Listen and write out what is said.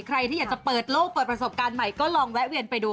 ใครที่อยากจะเปิดโลกเปิดประสบการณ์ใหม่ก็ลองแวะเวียนไปดู